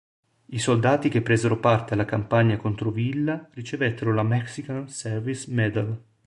I soldati che presero parte alla campagna contro Villa ricevettero la Mexican Service Medal.